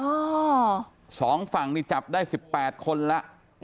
ก่อนล่ะสองฝั่งที่จับได้สิบแบดคนล่ะ